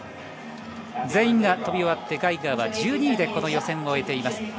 全員が飛び終わってガイガーは１２位で予選を終えています。